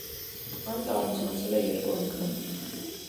Հանտը ամուսնացել է երկու անգամ։